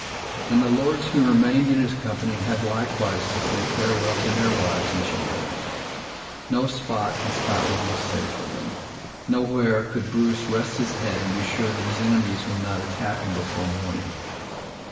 And the lords who remained in his company had likewise to say farewell to their wives and children. No spot in Scotland was safe for them. Nowhere could Bruce rest his head and be sure that his enemies would not attack him before morning.